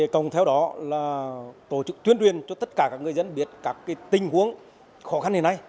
cộng theo đó là tổ chức tuyên truyền cho tất cả các người dân biết các tình huống khó khăn hiện nay